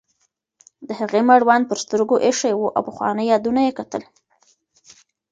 د هغې مړوند پر سترګو ایښی و او پخواني یادونه یې کتل.